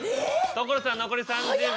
所さん残り３０秒。